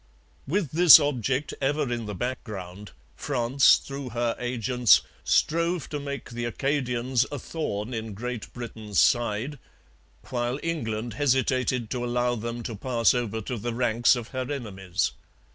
With this object ever in the background, France, through her agents, strove to make the Acadians a thorn in Great Britain's side, while England hesitated to allow them to pass over to the ranks of her enemies.